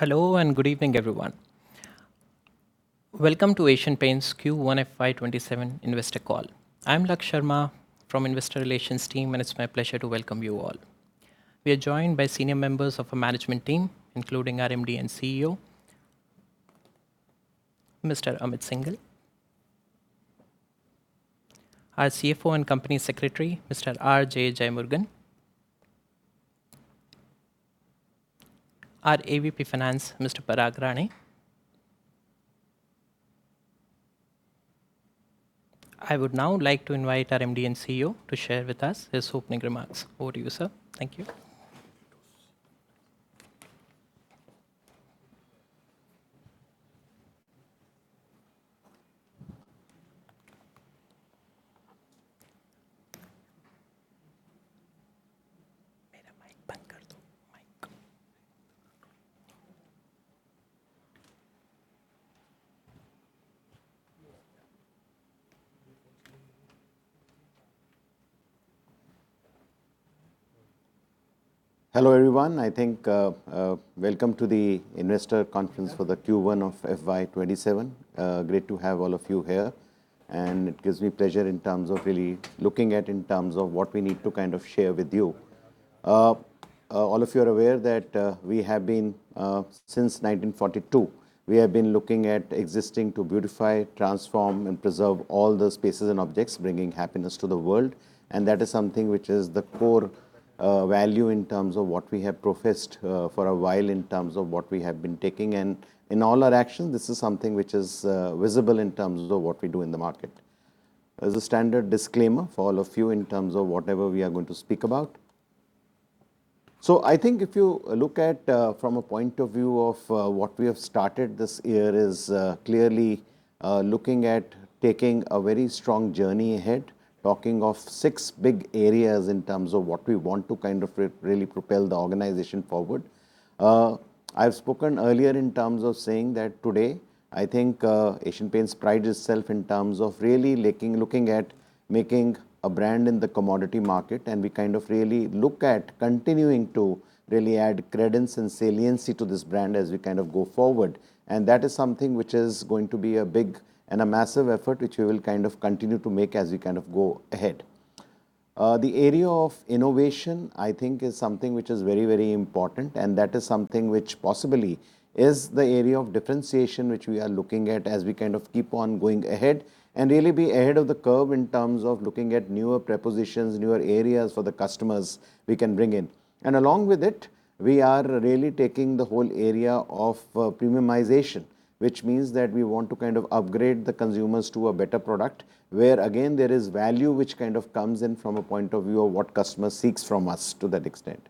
Hello, good evening, everyone. Welcome to Asian Paints Q1 FY 2027 investor call. I'm Lak Sharma from investor relations team. It's my pleasure to welcome you all. We are joined by senior members of our management team, including our MD and CEO, Mr. Amit Syngle. Our CFO and Company Secretary, Mr. R.J. Jeyamurugan. Our AVP Finance, Mr. Parag Rane. I would now like to invite our MD and CEO to share with us his opening remarks. Over to you, sir. Thank you. Hello, everyone. Welcome to the investor conference for the Q1 of FY 2027. Great to have all of you here. It gives me pleasure in terms of really looking at what we need to share with you. All of you are aware that since 1942, we have been looking at existing to beautify, transform, and preserve all the spaces and objects, bringing happiness to the world. That is something which is the core value in terms of what we have professed for a while, in terms of what we have been taking. In all our actions, this is something which is visible in terms of what we do in the market. As a standard disclaimer for all of you in terms of whatever we are going to speak about. I think if you look at from a point of view of what we have started this year is clearly looking at taking a very strong journey ahead, talking of six big areas in terms of what we want to really propel the organization forward. I've spoken earlier in terms of saying that today, I think Asian Paints prides itself in terms of really looking at making a brand in the commodity market. We really look at continuing to really add credence and saliency to this brand as we go forward. That is something which is going to be a big and a massive effort, which we will continue to make as we go ahead. The area of innovation, I think is something which is very important. That is something which possibly is the area of differentiation which we are looking at as we keep on going ahead. Really be ahead of the curve in terms of looking at newer prepositions, newer areas for the customers we can bring in. Along with it, we are really taking the whole area of premiumization, which means that we want to upgrade the consumers to a better product, where again, there is value which comes in from a point of view of what customer seeks from us to that extent.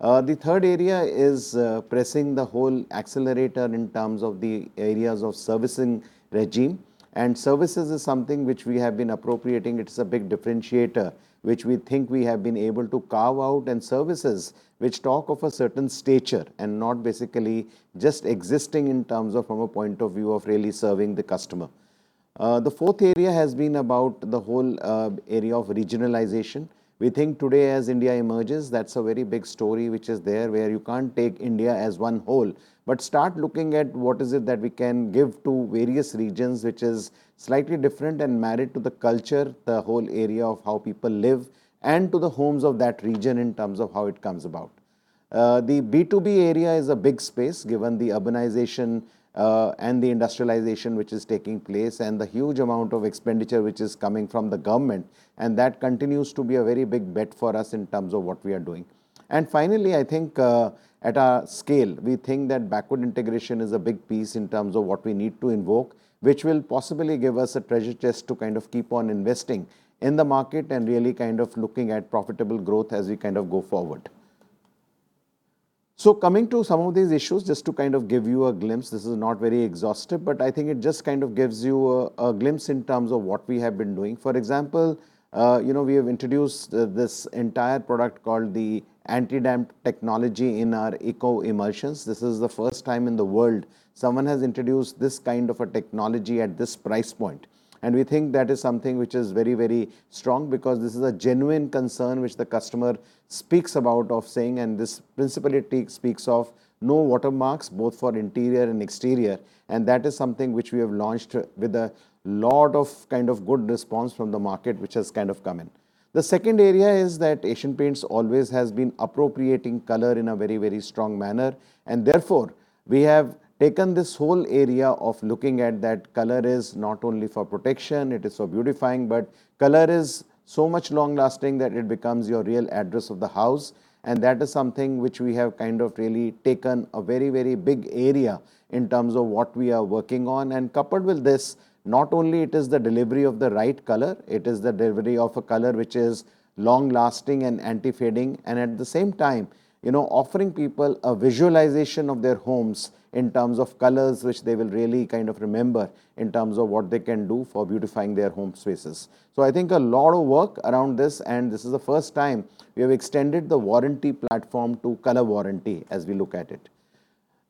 The third area is pressing the whole accelerator in terms of the areas of servicing regime. Services is something which we have been appropriating. It's a big differentiator, which we think we have been able to carve out and services, which talk of a certain stature and not basically just existing in terms of, from a point of view of really serving the customer. The fourth area has been about the whole area of regionalization. We think today as India emerges, that's a very big story, which is there, where you can't take India as one whole, but start looking at what is it that we can give to various regions, which is slightly different and married to the culture, the whole area of how people live, and to the homes of that region in terms of how it comes about. The B2B area is a big space given the urbanization, and the industrialization which is taking place, and the huge amount of expenditure which is coming from the government, and that continues to be a very big bet for us in terms of what we are doing. Finally, I think at our scale, we think that backward integration is a big piece in terms of what we need to invoke, which will possibly give us a treasure chest to keep on investing in the market and really looking at profitable growth as we go forward. Coming to some of these issues, just to give you a glimpse. This is not very exhaustive, but I think it just gives you a glimpse in terms of what we have been doing. For example, we have introduced this entire product called the Anti-Damp Technology in our Tractor and Ace Emulsions. This is the first time in the world someone has introduced this kind of a technology at this price point. We think that is something which is very strong because this is a genuine concern which the customer speaks about of saying, and this principally speaks of no watermarks, both for interior and exterior. That is something which we have launched with a lot of good response from the market, which has come in. The second area is that Asian Paints always has been appropriating color in a very strong manner. Therefore, we have taken this whole area of looking at that color is not only for protection, it is for beautifying, but color is so much long-lasting that it becomes your real address of the house. That is something which we have really taken a very big area in terms of what we are working on. Coupled with this, not only it is the delivery of the right color, it is the delivery of a color which is long-lasting and anti-fading, and at the same time, offering people a visualization of their homes in terms of colors, which they will really remember in terms of what they can do for beautifying their home spaces. I think a lot of work around this, and this is the first time we have extended the warranty platform to color warranty as we look at it.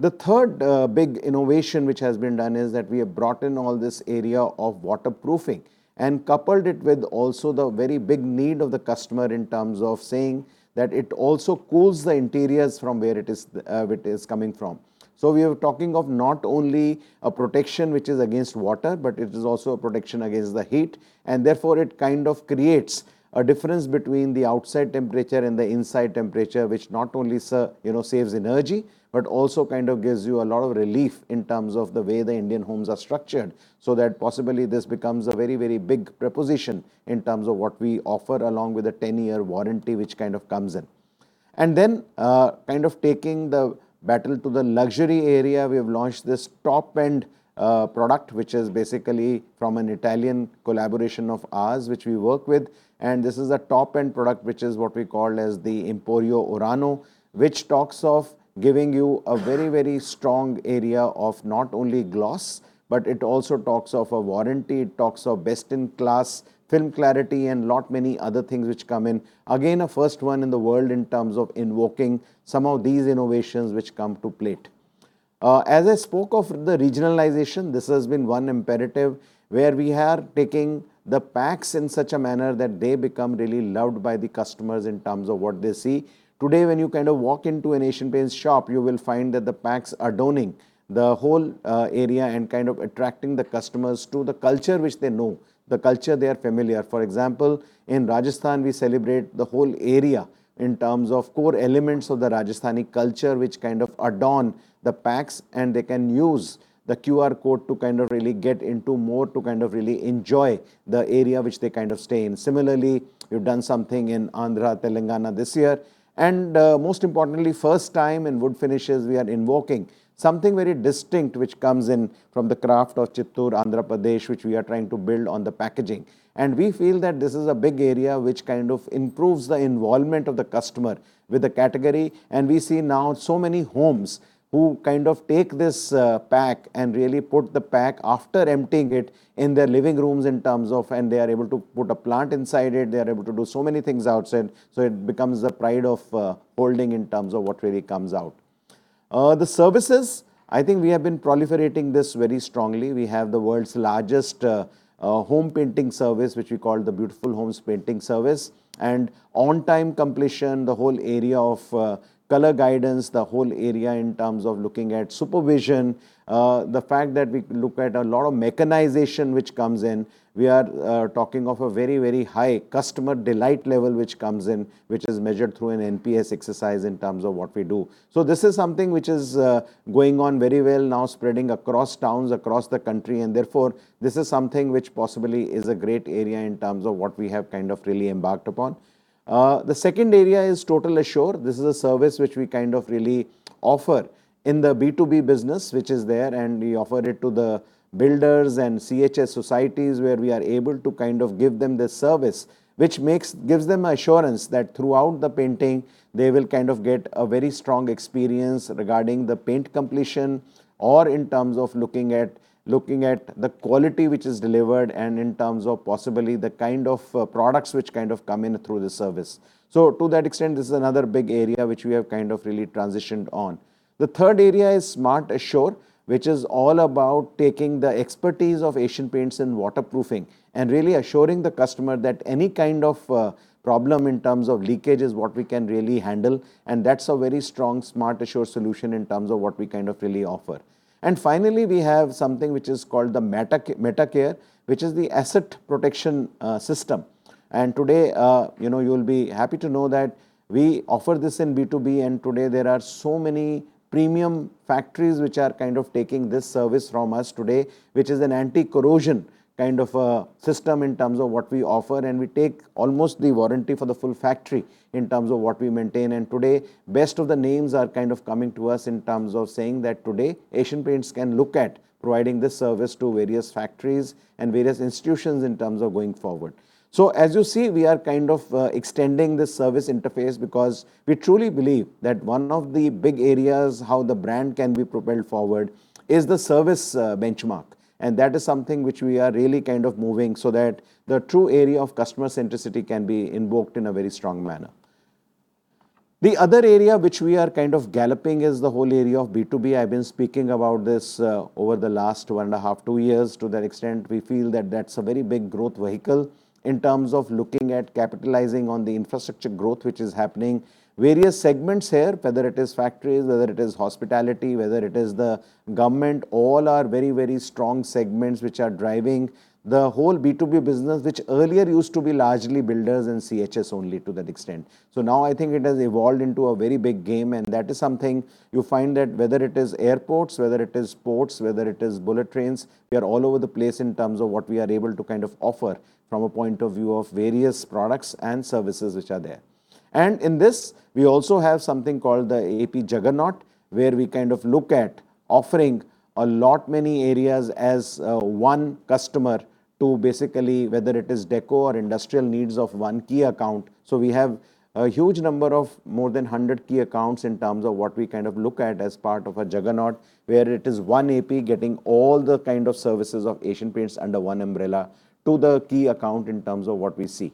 The third big innovation which has been done is that we have brought in all this area of waterproofing and coupled it with also the very big need of the customer in terms of saying that it also cools the interiors from where it is coming from. We are talking of not only a protection which is against water, but it is also a protection against the heat and therefore, it kind of creates a difference between the outside temperature and the inside temperature, which not only saves energy, but also kind of gives you a lot of relief in terms of the way the Indian homes are structured. That possibly this becomes a very big proposition in terms of what we offer, along with a 10-year warranty, which kind of comes in. Kind of taking the battle to the luxury area, we have launched this top-end product, which is basically from an Italian collaboration of ours, which we work with, and this is a top-end product, which is what we call as the WoodTech Emporio, which talks of giving you a very strong area of not only gloss, but it also talks of a warranty, it talks of best-in-class film clarity and lot many other things which come in. Again, a first one in the world in terms of invoking some of these innovations which come to play. As I spoke of the regionalization, this has been one imperative where we are taking the packs in such a manner that they become really loved by the customers in terms of what they see. Today, when you kind of walk into an Asian Paints shop, you will find that the packs are adorning the whole area and kind of attracting the customers to the culture which they know, the culture they are familiar. For example, in Rajasthan, we celebrate the whole area in terms of core elements of the Rajasthani culture, which kind of adorn the packs, and they can use the QR code to kind of really get into more to kind of really enjoy the area which they kind of stay in. Similarly, we've done something in Andhra, Telangana this year. Most importantly, first time in wood finishes, we are invoking something very distinct, which comes in from the craft of Chittoor Andhra Pradesh, which we are trying to build on the packaging. We feel that this is a big area which kind of improves the involvement of the customer with the category. We see now so many homes who kind of take this pack and really put the pack after emptying it in their living rooms. They are able to put a plant inside it. They are able to do so many things outside, so it becomes the pride of holding in terms of what really comes out. The services, I think we have been proliferating this very strongly. We have the world's largest home painting service, which we call the Beautiful Homes Painting Service. On time completion, the whole area of color guidance, the whole area in terms of looking at supervision. The fact that we look at a lot of mechanization which comes in. We are talking of a very high customer delight level which comes in, which is measured through an NPS exercise in terms of what we do. This is something which is going on very well now, spreading across towns, across the country. Therefore, this is something which possibly is a great area in terms of what we have kind of really embarked upon. The second area is Total Assure. This is a service which we kind of really offer in the B2B business, which is there. We offer it to the builders and CHS societies, where we are able to kind of give them this service, which gives them assurance that throughout the painting, they will kind of get a very strong experience regarding the paint completion or in terms of looking at the quality which is delivered and in terms of possibly the kind of products which kind of come in through the service. To that extent, this is another big area which we have kind of really transitioned on. The third area is SmartAssure, which is all about taking the expertise of Asian Paints in waterproofing and really assuring the customer that any kind of problem in terms of leakage is what we can really handle, and that's a very strong SmartAssure solution in terms of what we kind of really offer. Finally, we have something which is called the Metacare, which is the asset protection system. Today, you'll be happy to know that we offer this in B2B. Today there are so many premium factories which are kind of taking this service from us today, which is an anti-corrosion kind of a system in terms of what we offer. We take almost the warranty for the full factory in terms of what we maintain. Today, best of the names are kind of coming to us in terms of saying that today Asian Paints can look at providing this service to various factories and various institutions in terms of going forward. As you see, we are kind of extending this service interface because we truly believe that one of the big areas how the brand can be propelled forward is the service benchmark. That is something which we are really kind of moving so that the true area of customer centricity can be invoked in a very strong manner. The other area which we are kind of galloping is the whole area of B2B. I've been speaking about this over the last one and a half, two years. To that extent, we feel that that's a very big growth vehicle in terms of looking at capitalizing on the infrastructure growth which is happening. Various segments here, whether it is factories, whether it is hospitality, whether it is the government, all are very strong segments which are driving the whole B2B business, which earlier used to be largely builders and CHS only to that extent. Now I think it has evolved into a very big game, and that is something you find that whether it is airports, whether it is ports, whether it is bullet trains, we are all over the place in terms of what we are able to kind of offer from a point of view of various products and services which are there. In this, we also have something called the AP Juggernaut, where we kind of look at offering a lot many areas as one customer to basically whether it is deco or industrial needs of one key account. We have a huge number of more than 100 key accounts in terms of what we kind of look at as part of a juggernaut, where it is one AP getting all the kind of services of Asian Paints under one umbrella to the key account in terms of what we see.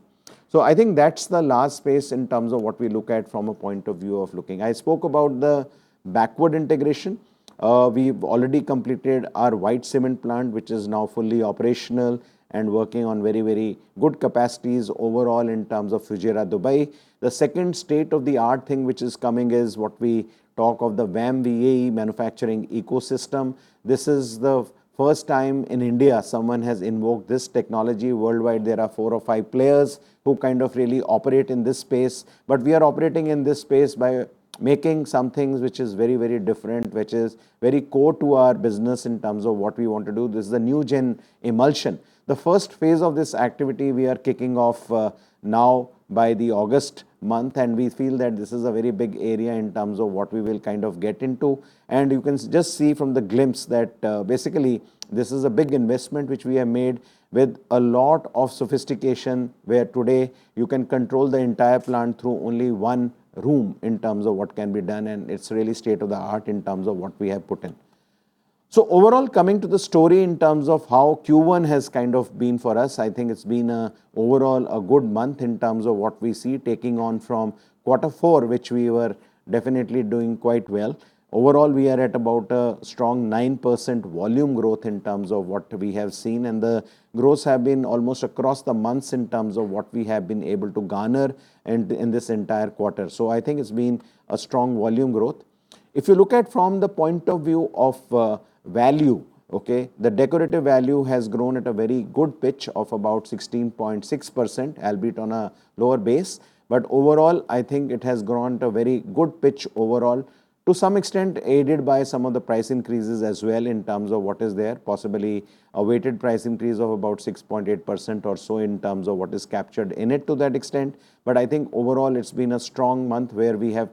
I think that's the last space in terms of what we look at from a point of view of looking. I spoke about the backward integration. We've already completed our white cement plant, which is now fully operational and working on very good capacities overall in terms of Fujairah, Dubai. The second state-of-the-art thing which is coming is what we talk of the VAM-VAE manufacturing ecosystem. This is the first time in India someone has invoked this technology. Worldwide, there are four or five players who really operate in this space. We are operating in this space by making some things which is very different, which is very core to our business in terms of what we want to do. This is a new gen emulsion. The first phase of this activity we are kicking off now by the August month, we feel that this is a very big area in terms of what we will get into. You can just see from the glimpse that basically this is a big investment which we have made with a lot of sophistication, where today you can control the entire plant through only one room in terms of what can be done, and it's really state of the art in terms of what we have put in. Overall, coming to the story in terms of how Q1 has been for us, I think it's been overall a good month in terms of what we see taking on from quarter four, which we were definitely doing quite well. Overall, we are at about a strong 9% volume growth in terms of what we have seen, the growth has been almost across the months in terms of what we have been able to garner in this entire quarter. I think it's been a strong volume growth. If you look at from the point of view of value, the decorative value has grown at a very good pitch of about 16.6%, albeit on a lower base. Overall, I think it has grown at a very good pitch overall, to some extent aided by some of the price increases as well in terms of what is there, possibly a weighted price increase of about 6.8% or so in terms of what is captured in it to that extent. I think overall it's been a strong month where we have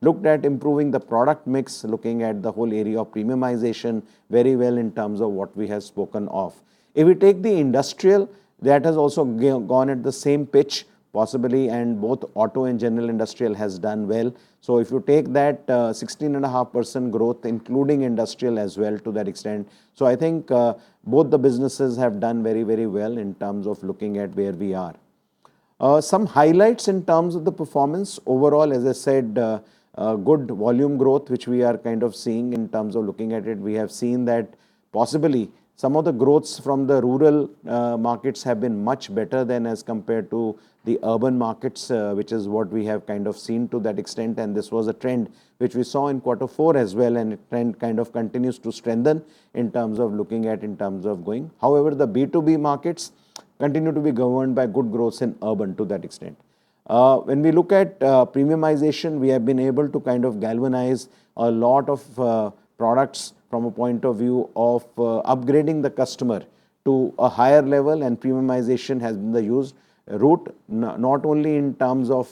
looked at improving the product mix, looking at the whole area of premiumization very well in terms of what we have spoken of. If we take the industrial, that has also gone at the same pitch possibly, and both auto and general industrial has done well. If you take that, 16.5% growth, including industrial as well to that extent. I think both the businesses have done very well in terms of looking at where we are. Some highlights in terms of the performance. Overall, as I said, good volume growth, which we are seeing in terms of looking at it. We have seen that possibly some of the growths from the rural markets have been much better than as compared to the urban markets, which is what we have seen to that extent. This was a trend which we saw in quarter four as well, and the trend continues to strengthen in terms of looking at in terms of going. However, the B2B markets continue to be governed by good growth in urban to that extent. When we look at premiumization, we have been able to galvanize a lot of products from a point of view of upgrading the customer to a higher level, and premiumization has been the route, not only in terms of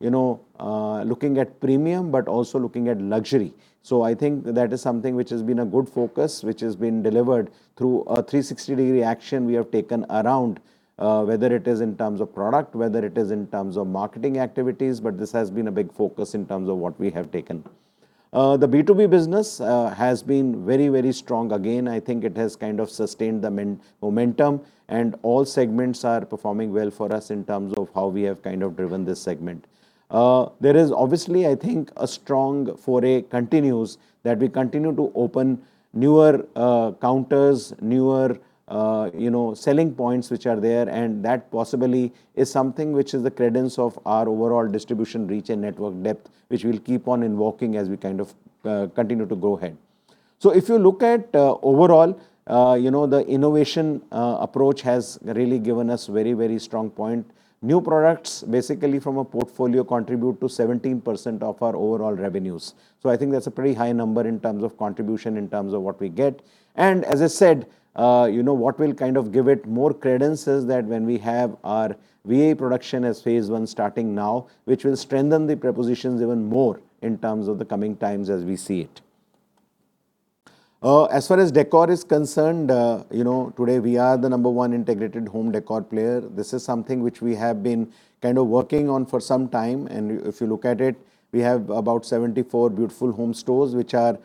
looking at premium, but also looking at luxury. I think that is something which has been a good focus, which has been delivered through a 360-degree action we have taken around whether it is in terms of product, whether it is in terms of marketing activities, but this has been a big focus in terms of what we have taken. The B2B business has been very strong. Again, I think it has sustained the momentum and all segments are performing well for us in terms of how we have driven this segment. There is obviously, I think, a strong foray continues that we continue to open newer counters, newer selling points which are there, and that possibly is something which is the credence of our overall distribution reach and network depth, which we'll keep on invoking as we continue to go ahead. If you look at overall, the innovation approach has really given us very strong point. New products basically from a portfolio contribute to 17% of our overall revenues. I think that's a pretty high number in terms of contribution, in terms of what we get. As I said, what will give it more credence is that when we have our VAE production as phase I starting now, which will strengthen the propositions even more in terms of the coming times as we see it. As far as decor is concerned, today we are the number one integrated home decor player. This is something which we have been working on for some time, and if you look at it, we have about 74 beautiful home stores which are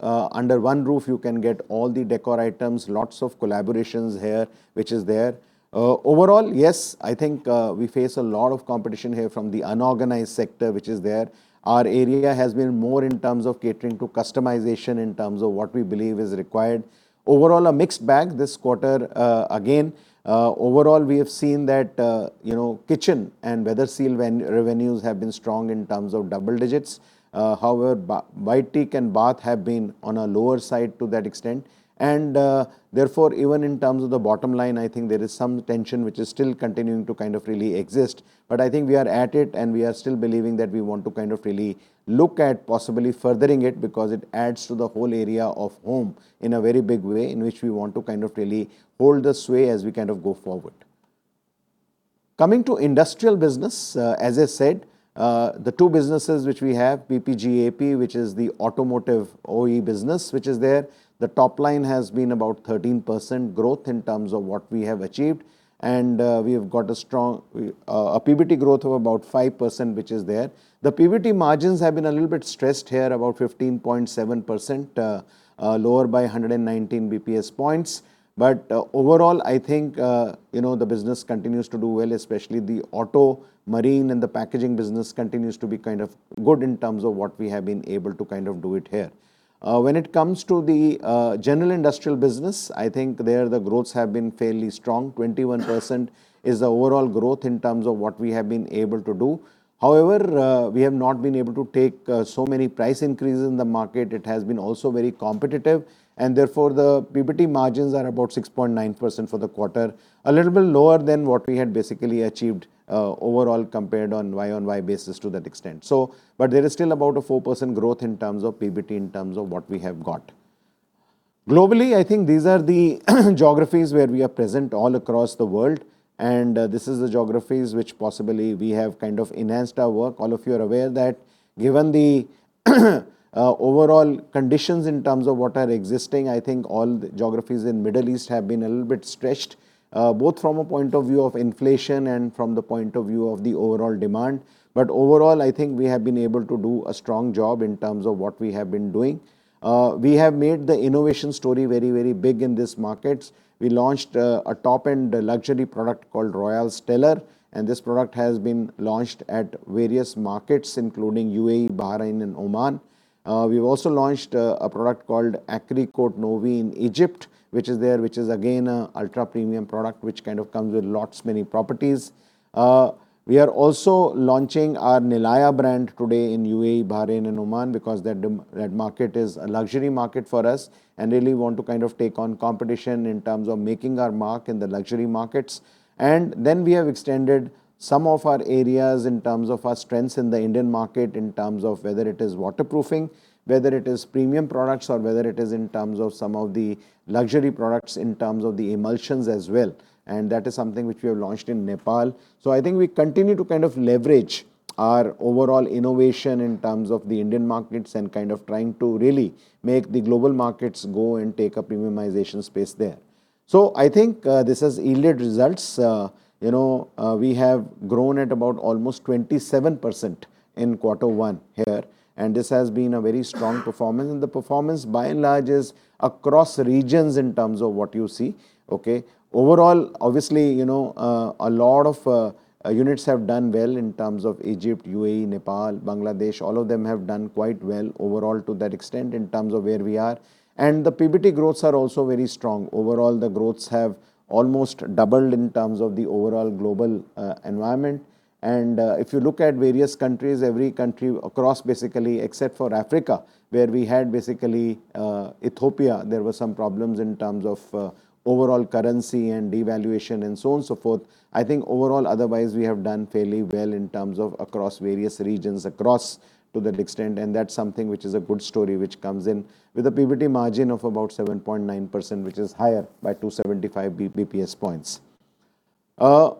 under one roof. You can get all the decor items, lots of collaborations here, which is there. Overall, yes, I think we face a lot of competition here from the unorganized sector which is there. Our area has been more in terms of catering to customization in terms of what we believe is required. Overall, a mixed bag this quarter, again. Overall, we have seen that kitchen and Weatherseal revenues have been strong in terms of double digits. Whitewash and bath have been on a lower side to that extent. Therefore, even in terms of the bottom line, I think there is some tension which is still continuing to really exist. I think we are at it, and we are still believing that we want to really look at possibly furthering it because it adds to the whole area of home in a very big way, in which we want to really hold the sway as we go forward. Coming to industrial business, as I said, the two businesses which we have, PPG AP, which is the automotive OE business, which is there. The top line has been about 13% growth in terms of what we have achieved. We have got a strong PBT growth of about 5%, which is there. The PBT margins have been a little bit stressed here, about 15.7%, lower by 119 basis points. Overall, I think, the business continues to do well, especially the auto, marine, and the packaging business continues to be kind of good in terms of what we have been able to do here. When it comes to the general industrial business, I think there the growths have been fairly strong. 21% is the overall growth in terms of what we have been able to do. We have not been able to take so many price increases in the market. It has been also very competitive, therefore, the PBT margins are about 6.9% for the quarter. A little bit lower than what we had basically achieved, overall compared on year-over-year basis to that extent. There is still about a 4% growth in terms of PBT in terms of what we have got. Globally, I think these are the geographies where we are present all across the world, this is the geographies which possibly we have kind of enhanced our work. All of you are aware that given the overall conditions in terms of what are existing, I think all geographies in Middle East have been a little bit stretched. Both from a point of view of inflation and from the point of view of the overall demand. Overall, I think we have been able to do a strong job in terms of what we have been doing. We have made the innovation story very big in these markets. We launched a top-end luxury product called Royale Stellar, and this product has been launched at various markets, including UAE, Bahrain, and Oman. We've also launched a product called Acrycoat Novi in Egypt, which is there, which is again an ultra-premium product, which kind of comes with lots many properties. We are also launching our Nilaya brand today in UAE, Bahrain, and Oman because that market is a luxury market for us, and really want to kind of take on competition in terms of making our mark in the luxury markets. We have extended some of our areas in terms of our strengths in the Indian market, in terms of whether it is waterproofing, whether it is premium products, or whether it is in terms of some of the luxury products in terms of the emulsions as well. That is something which we have launched in Nepal. I think we continue to kind of leverage our overall innovation in terms of the Indian markets and kind of trying to really make the global markets go and take a premiumization space there. I think, this has yielded results. We have grown at about almost 27% in quarter one here, and this has been a very strong performance, and the performance by and large is across regions in terms of what you see. Okay. Overall, obviously, a lot of units have done well in terms of Egypt, UAE, Nepal, Bangladesh. All of them have done quite well overall to that extent in terms of where we are. The PBT growths are also very strong. Overall, the growths have almost doubled in terms of the overall global environment. If you look at various countries, every country across basically, except for Africa, where we had basically Ethiopia, there were some problems in terms of overall currency and devaluation and so on and so forth. I think overall, otherwise we have done fairly well in terms of across various regions across to that extent. That's something which is a good story, which comes in with a PBT margin of about 7.9%, which is higher by 275 BPS points.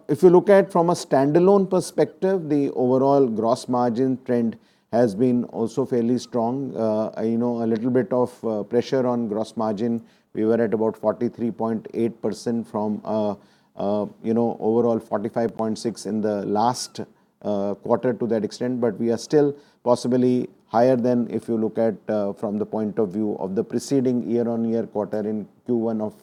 If you look at from a standalone perspective, the overall gross margin trend has been also fairly strong. A little bit of pressure on gross margin. We were at about 43.8% from overall 45.6% in the last quarter to that extent. We are still possibly higher than if you look at from the point of view of the preceding year-on-year quarter in Q1 of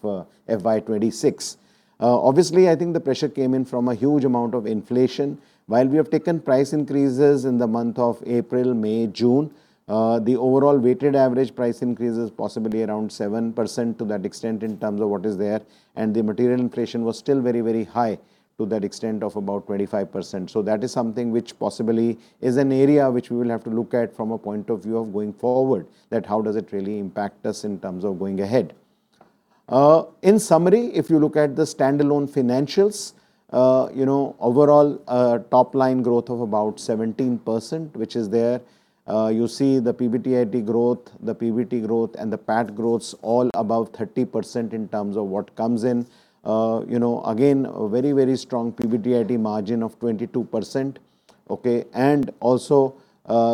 FY 2026. Obviously, I think the pressure came in from a huge amount of inflation. While we have taken price increases in the month of April, May, June, the overall weighted average price increase is possibly around 7% to that extent in terms of what is there. The material inflation was still very high to that extent of about 25%. That is something which possibly is an area which we will have to look at from a point of view of going forward, that how does it really impact us in terms of going ahead. In summary, if you look at the standalone financials, overall top line growth of about 17%, which is there. You see the PBDIT growth, the PBT growth, and the PAT growths all above 30% in terms of what comes in. Again, very strong PBDIT margin of 22%. Okay.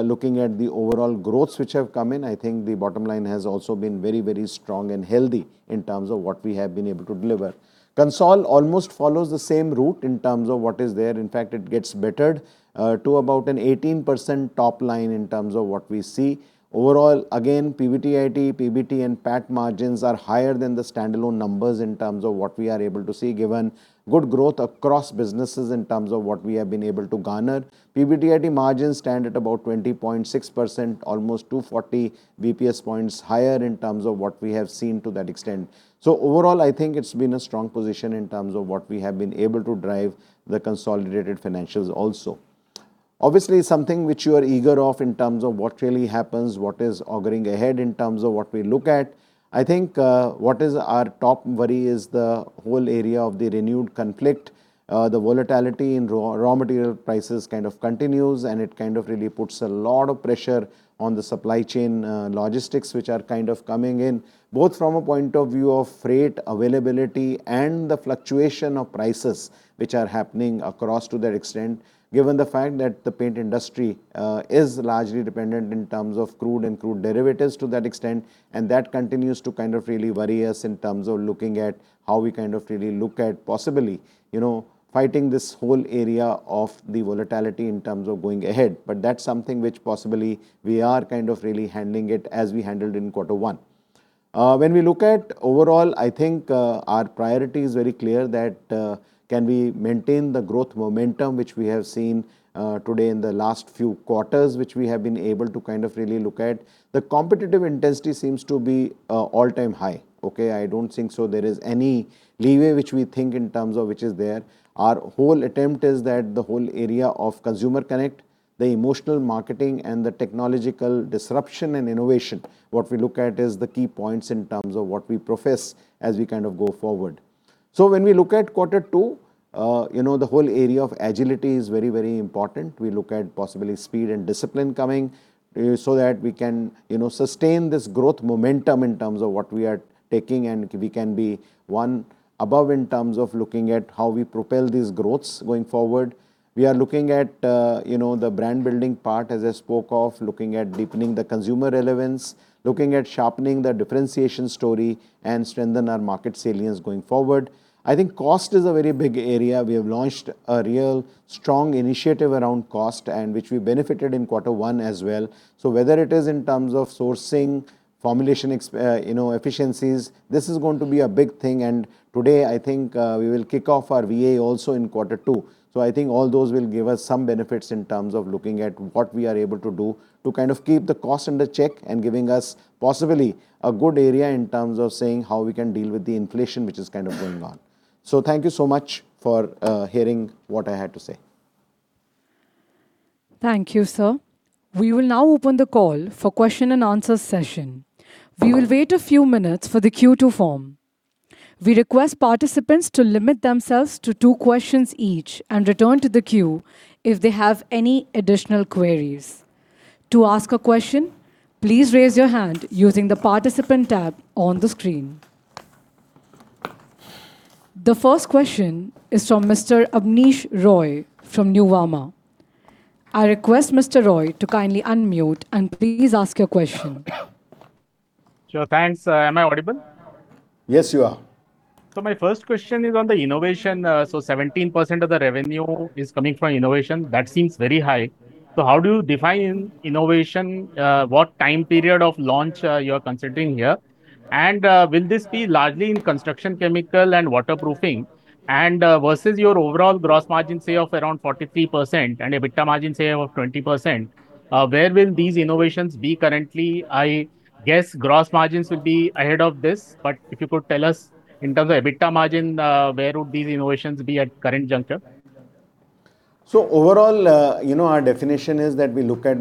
Looking at the overall growth which have come in, I think the bottom line has also been very strong and healthy in terms of what we have been able to deliver. Consol almost follows the same route in terms of what is there. In fact, it gets bettered to about an 18% top line in terms of what we see. Overall, again, PBDIT, PBT, and PAT margins are higher than the standalone numbers in terms of what we are able to see, given good growth across businesses in terms of what we have been able to garner. PBDIT margins stand at about 20.6%, almost 240 basis points higher in terms of what we have seen to that extent. Overall, I think it's been a strong position in terms of what we have been able to drive the consolidated financials also. Obviously, something which you are eager of in terms of what really happens, what is auguring ahead in terms of what we look at. I think our top worry is the whole area of the renewed conflict, the volatility in raw material prices kind of continues, and it really puts a lot of pressure on the supply chain logistics, which are coming in, both from a point of view of freight availability and the fluctuation of prices which are happening across to that extent, given the fact that the paint industry is largely dependent in terms of crude and crude derivatives to that extent. That continues to really worry us in terms of looking at how we really look at possibly fighting this whole area of the volatility in terms of going ahead. That's something which possibly we are really handling it as we handled in quarter one. When we look at overall, I think our priority is very clear that can we maintain the growth momentum, which we have seen today in the last few quarters, which we have been able to really look at. The competitive intensity seems to be all-time high. I don't think so there is any leeway, which we think in terms of which is there. Our whole attempt is that the whole area of consumer connect, the emotional marketing, and the technological disruption and innovation. What we look at is the key points in terms of what we profess as we go forward. When we look at quarter two, the whole area of agility is very important. We look at possibly speed and discipline coming so that we can sustain this growth momentum in terms of what we are taking, and we can be one above in terms of looking at how we propel these growths going forward. We are looking at the brand-building part, as I spoke of, looking at deepening the consumer relevance, looking at sharpening the differentiation story, and strengthen our market salience going forward. I think cost is a very big area. We have launched a real strong initiative around cost, and which we benefited in quarter one as well. Whether it is in terms of sourcing, formulation efficiencies, this is going to be a big thing. Today, I think we will kick off our VA also in quarter two. I think all those will give us some benefits in terms of looking at what we are able to do to keep the cost under check, and giving us possibly a good area in terms of saying how we can deal with the inflation, which is going on. Thank you so much for hearing what I had to say. Thank you, sir. We will now open the call for question and answer session. We will wait a few minutes for the queue to form. We request participants to limit themselves to two questions each, and return to the queue if they have any additional queries. To ask a question, please raise your hand using the participant tab on the screen. The first question is from Mr. Abneesh Roy from Nuvama. I request Mr. Roy to kindly unmute, and please ask your question. Sure. Thanks. Am I audible? Yes, you are. My first question is on the innovation. 17% of the revenue is coming from innovation. That seems very high. How do you define innovation? What time period of launch you're considering here? Will this be largely in construction chemical and waterproofing? Versus your overall gross margin, say, of around 43% and EBITDA margin, say, of 20%, where will these innovations be currently? I guess gross margins will be ahead of this, but if you could tell us in terms of EBITDA margin, where would these innovations be at current juncture? Overall, our definition is that we look at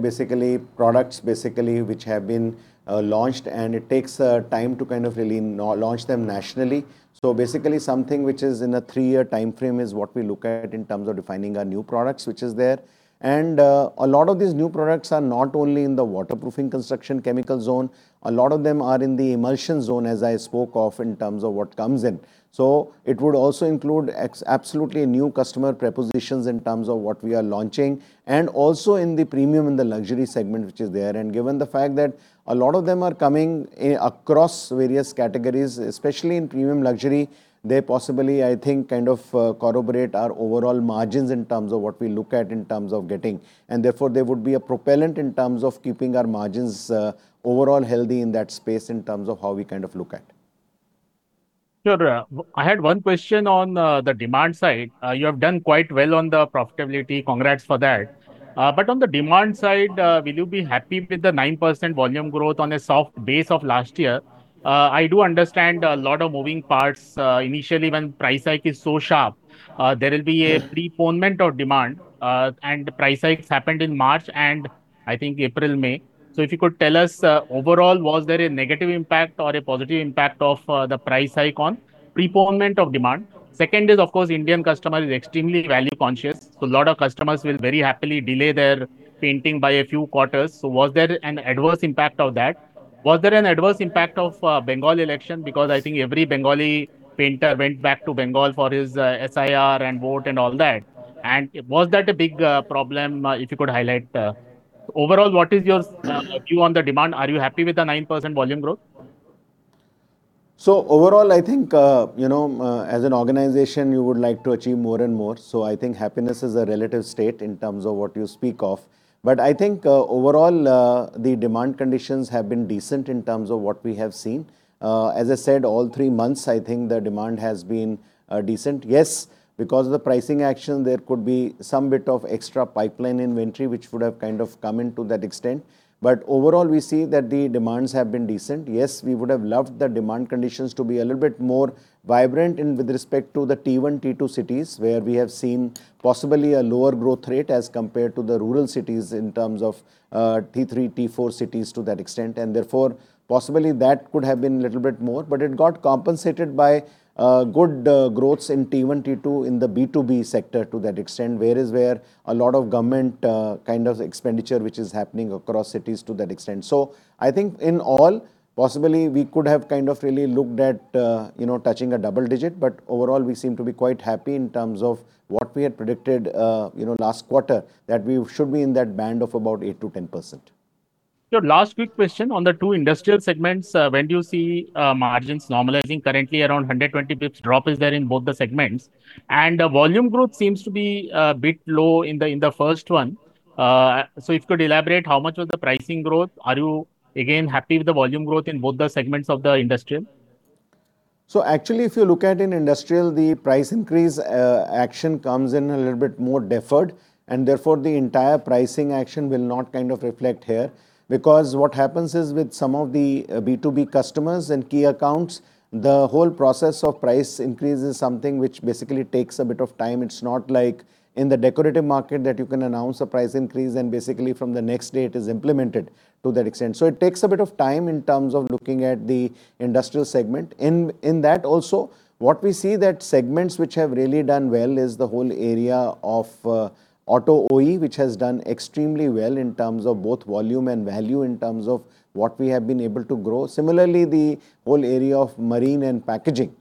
products which have been launched, and it takes time to really launch them nationally. Something which is in a three-year timeframe is what we look at in terms of defining our new products, which is there. A lot of these new products are not only in the waterproofing construction chemical zone. A lot of them are in the emulsion zone, as I spoke of in terms of what comes in. It would also include absolutely new customer prepositions in terms of what we are launching. Also in the premium and the luxury segment, which is there. Given the fact that a lot of them are coming across various categories, especially in premium luxury, they possibly, I think, corroborate our overall margins in terms of what we look at in terms of getting. Therefore, they would be a propellant in terms of keeping our margins overall healthy in that space in terms of how we look at. Sure. I had one question on the demand side. You have done quite well on the profitability. Congrats for that. On the demand side, will you be happy with the 9% volume growth on a soft base of last year? I do understand a lot of moving parts. Initially, when price hike is so sharp, there will be a preponement of demand. The price hikes happened in March, April, May. If you could tell us, overall, was there a negative impact or a positive impact of the price hike on preponement of demand? Second is, of course, Indian customer is extremely value conscious. A lot of customers will very happily delay their painting by a few quarters. Was there an adverse impact of that? Was there an adverse impact of Bengal election, because I think every Bengali painter went back to Bengal for his SIR and vote and all that. Was that a big problem, if you could highlight? Overall, what is your view on the demand? Are you happy with the 9% volume growth? Overall, I think, as an organization, you would like to achieve more and more. I think happiness is a relative state in terms of what you speak of. I think overall, the demand conditions have been decent in terms of what we have seen. As I said, all three months, I think the demand has been decent. Yes, because of the pricing action, there could be some bit of extra pipeline inventory, which would have come in to that extent. Overall, we see that the demands have been decent. Yes, we would have loved the demand conditions to be a little bit more vibrant with respect to the T1, T2 cities, where we have seen possibly a lower growth rate as compared to the rural cities in terms of T3, T4 cities to that extent. Therefore, possibly that could have been a little bit more, but it got compensated by good growths in T1, T2 in the B2B sector to that extent, whereas where a lot of government kind of expenditure which is happening across cities to that extent. I think in all, possibly we could have really looked at touching a double digit, overall, we seem to be quite happy in terms of what we had predicted last quarter, that we should be in that band of about 8%-10%. Sir, last quick question. On the two industrial segments, when do you see margins normalizing? Currently, around 120 pips drop is there in both the segments. Volume growth seems to be a bit low in the first one. If you could elaborate how much was the pricing growth? Are you again happy with the volume growth in both the segments of the industrial? Actually, if you look at in industrial, the price increase action comes in a little bit more deferred, and therefore the entire pricing action will not reflect here. Because what happens is with some of the B2B customers and key accounts, the whole process of price increase is something which basically takes a bit of time. It's not like in the decorative market that you can announce a price increase and basically from the next day it is implemented to that extent. It takes a bit of time in terms of looking at the industrial segment. In that also, what we see that segments which have really done well is the whole area of auto OE, which has done extremely well in terms of both volume and value, in terms of what we have been able to grow. Similarly, the whole area of marine and packaging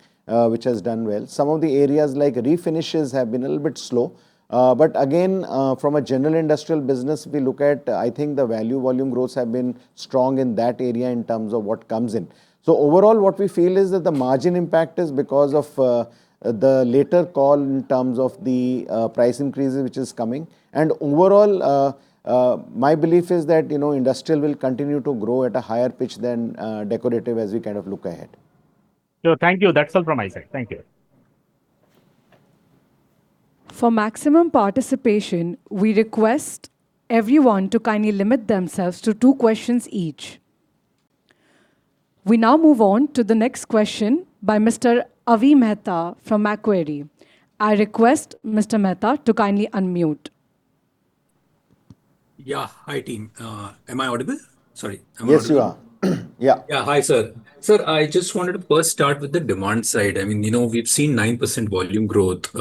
which has done well. Some of the areas like refinishes have been a little bit slow. Again, from a general industrial business, if we look at, I think the value volume growths have been strong in that area in terms of what comes in. Overall, what we feel is that the margin impact is because of the later call in terms of the price increases which is coming. Overall, my belief is that industrial will continue to grow at a higher pitch than decorative as we look ahead. Sure. Thank you. That's all from my side. Thank you. For maximum participation, we request everyone to kindly limit themselves to two questions each. We now move on to the next question by Mr. Avi Mehta from Macquarie. I request Mr. Mehta to kindly unmute. Hi, team. Am I audible? Sorry. Am I audible? Yes, you are. Yeah. Hi, sir. Sir, I just wanted to first start with the demand side. We've seen 9% volume growth.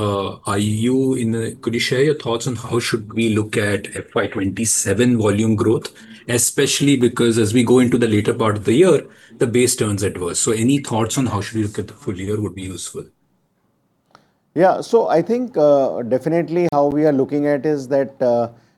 Could you share your thoughts on how should we look at FY 2027 volume growth, especially because as we go into the later part of the year, the base turns adverse. Any thoughts on how should we look at the full year would be useful. I think definitely how we are looking at is that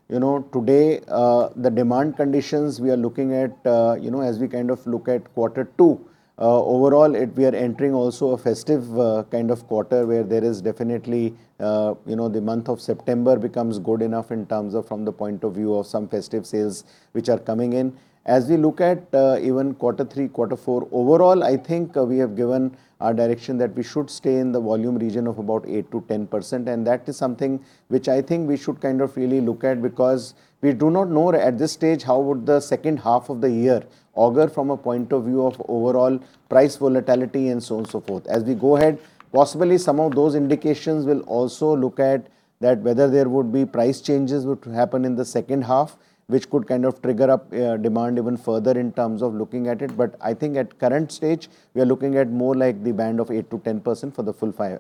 today, the demand conditions we are looking at as we look at quarter two. Overall, we are entering also a festive kind of quarter where there is definitely the month of September becomes good enough in terms of, from the point of view of some festive sales which are coming in. As we look at even quarter three, quarter four, overall, I think we have given a direction that we should stay in the volume region of about 8%-10%. That is something which I think we should really look at because we do not know at this stage how would the second half of the year auger from a point of view of overall price volatility and so on, so forth. As we go ahead, possibly some of those indications will also look at that whether there would be price changes would happen in the second half, which could trigger up demand even further in terms of looking at it. I think at current stage, we are looking at more like the band of 8%-10% for the full FY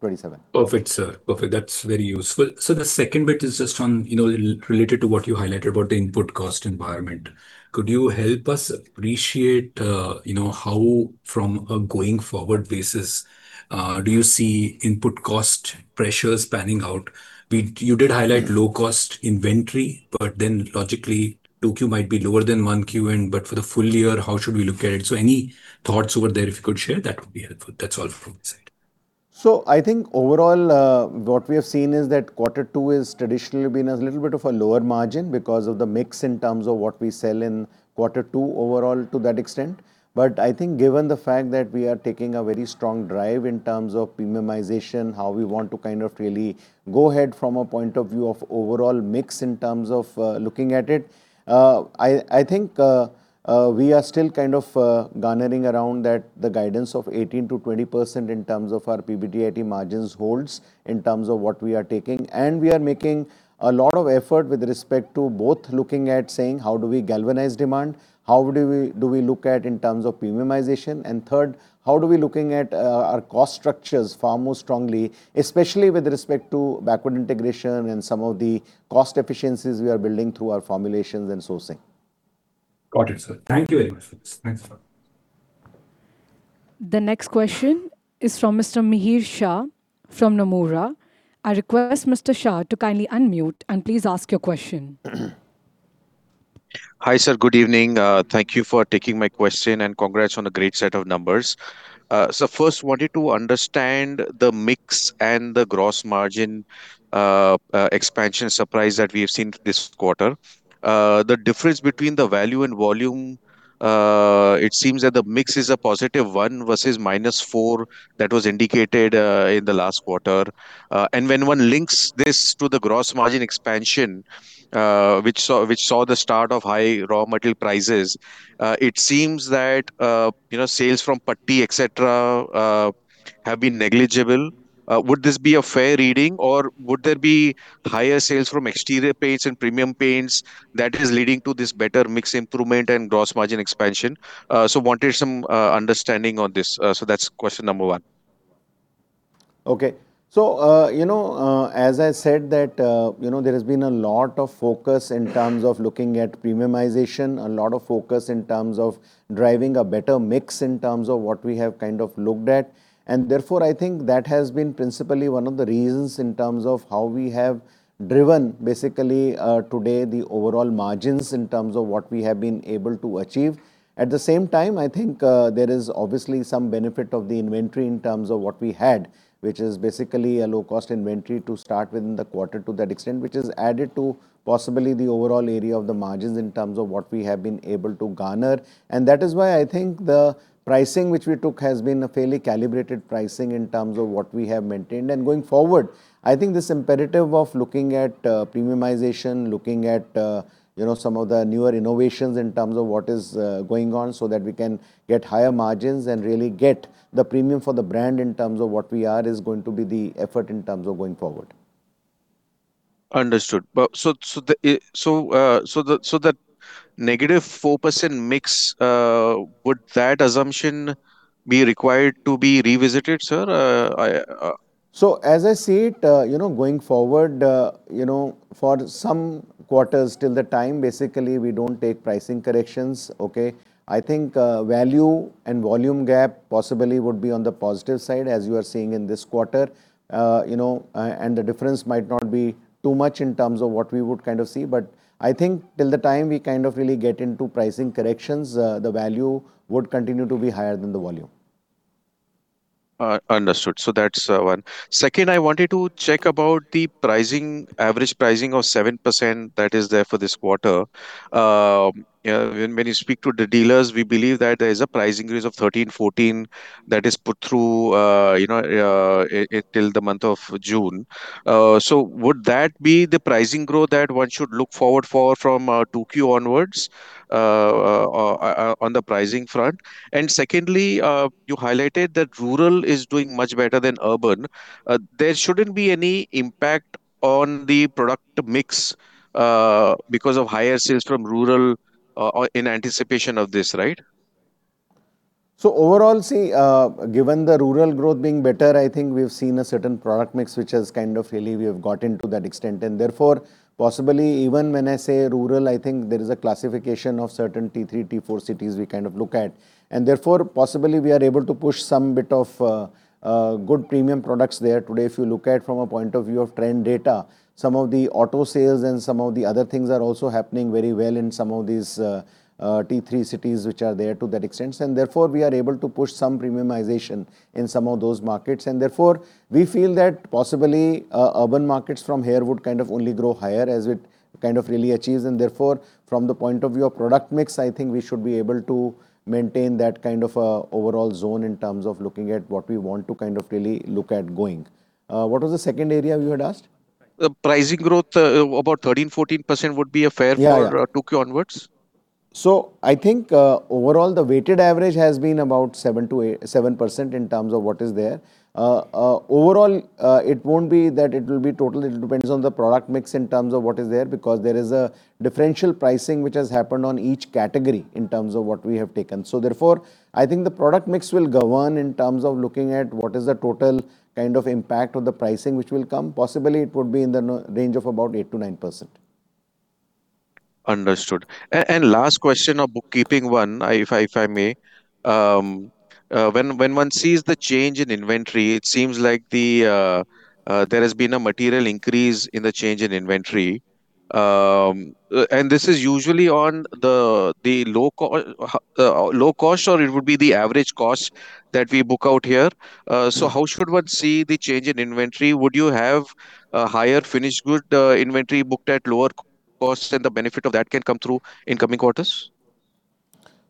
2027. Perfect, sir. Perfect. That's very useful. The second bit is just on, related to what you highlighted about the input cost environment. Could you help us appreciate how from a going forward basis, do you see input cost pressures panning out? You did highlight low-cost inventory, but then logically 2Q might be lower than 1Q, but for the full year, how should we look at it? Any thoughts over there, if you could share, that would be helpful. That's all from this side. I think overall, what we have seen is that quarter two has traditionally been a little bit of a lower margin because of the mix in terms of what we sell in quarter two overall to that extent. I think given the fact that we are taking a very strong drive in terms of premiumization, how we want to really go ahead from a point of view of overall mix in terms of looking at it. I think we are still garnering around that the guidance of 18%-20% in terms of our PBDIT margins holds in terms of what we are taking. We are making a lot of effort with respect to both looking at saying, how do we galvanize demand? How do we look at in terms of premiumization? Third, how do we looking at our cost structures far more strongly, especially with respect to backward integration and some of the cost efficiencies we are building through our formulations and sourcing. Got it, sir. Thank you very much for this. Thanks a lot. The next question is from Mr. Mihir Shah from Nomura. I request Mr. Shah to kindly unmute and please ask your question. Hi, sir. Good evening. Thank you for taking my question, and congrats on a great set of numbers. Sir, first, I wanted to understand the mix and the gross margin expansion surprise that we have seen this quarter. The difference between the value and volume, it seems that the mix is a positive one versus minus four that was indicated in the last quarter. When one links this to the gross margin expansion, which saw the start of high raw material prices, it seems that sales from putty, et cetera, have been negligible. Would this be a fair reading or would there be higher sales from exterior paints and premium paints that is leading to this better mix improvement and gross margin expansion? I wanted some understanding on this. That's question number one. Okay. As I said that there has been a lot of focus in terms of looking at premiumization, a lot of focus in terms of driving a better mix in terms of what we have looked at. Therefore, I think that has been principally one of the reasons in terms of how we have driven, basically, today the overall margins in terms of what we have been able to achieve. At the same time, I think there is obviously some benefit of the inventory in terms of what we had, which is basically a low-cost inventory to start within the quarter to that extent, which has added to possibly the overall area of the margins in terms of what we have been able to garner. That is why I think the pricing which we took has been a fairly calibrated pricing in terms of what we have maintained. Going forward, I think this imperative of looking at premiumization, looking at some of the newer innovations in terms of what is going on so that we can get higher margins and really get the premium for the brand in terms of what we are, is going to be the effort in terms of going forward. Understood. That negative 4% mix, would that assumption be required to be revisited, sir? As I see it, going forward, for some quarters till the time, basically, we don't take pricing corrections, okay? I think value and volume gap possibly would be on the positive side as you are seeing in this quarter. The difference might not be too much in terms of what we would see. I think till the time we really get into pricing corrections, the value would continue to be higher than the volume. Understood. That's one. Second, I wanted to check about the average pricing of 7% that is there for this quarter. When you speak to the dealers, we believe that there is a pricing raise of 13%-14% that is put through till the month of June. Would that be the pricing growth that one should look forward for from 2Q onwards on the pricing front? Secondly, you highlighted that rural is doing much better than urban. There shouldn't be any impact on the product mix because of higher sales from rural in anticipation of this, right? Overall, see, given the rural growth being better, I think we've seen a certain product mix, which has kind of really we have gotten to that extent. Therefore, possibly even when I say rural, I think there is a classification of certain T3, T4 cities we look at. Therefore, possibly we are able to push some bit of good premium products there. Today, if you look at from a point of view of trend data, some of the auto sales and some of the other things are also happening very well in some of these T3 cities which are there to that extent. Therefore, we are able to push some premiumization in some of those markets. Therefore, we feel that possibly, urban markets from here would only grow higher as it really achieves. Therefore, from the point of view of product mix, I think we should be able to maintain that kind of a overall zone in terms of looking at what we want to really look at going. What was the second area you had asked? The pricing growth, about 13, 14% would be fair- Yeah For 2Q onwards? I think overall the weighted average has been about 7% in terms of what is there. Overall, it won't be that it will be total, it depends on the product mix in terms of what is there, because there is a differential pricing which has happened on each category in terms of what we have taken. Therefore, I think the product mix will govern in terms of looking at what is the total impact of the pricing which will come. Possibly, it would be in the range of about 8%-9%. Understood. Last question, a bookkeeping one, if I may. When one sees the change in inventory, it seems like there has been a material increase in the change in inventory. This is usually on the low cost, or it would be the average cost that we book out here. How should one see the change in inventory? Would you have a higher finished good inventory booked at lower costs than the benefit of that can come through in coming quarters?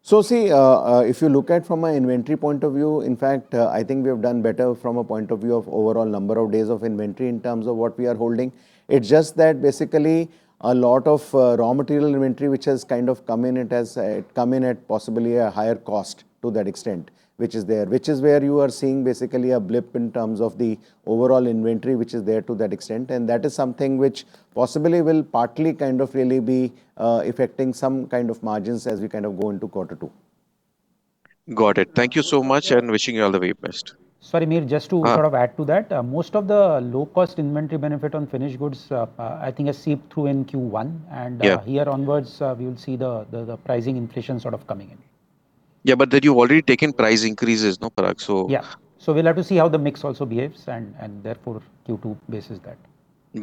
See, if you look at from an inventory point of view, in fact, I think we have done better from a point of view of overall number of days of inventory in terms of what we are holding. It's just that basically a lot of raw material inventory, which has come in at possibly a higher cost to that extent, which is there. Which is where you are seeing basically a blip in terms of the overall inventory which is there to that extent. That is something which possibly will partly really be affecting some kind of margins as we go into quarter two. Got it. Thank you so much, wishing you all the very best. Sorry, Mihir, just to sort of add to that. Most of the low-cost inventory benefit on finished goods, I think has seeped through in Q1. Yeah. Here onwards, we will see the pricing inflation sort of coming in. Yeah, you've already taken price increases, no, Parag? Yeah. We'll have to see how the mix also behaves, and therefore Q2 bases that.